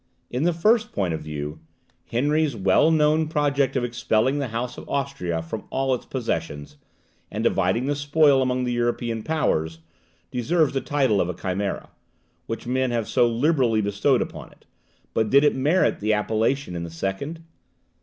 In the first point of view, Henry's well known project of expelling the House of Austria from all its possessions, and dividing the spoil among the European powers, deserves the title of a chimera, which men have so liberally bestowed upon it; but did it merit that appellation in the second?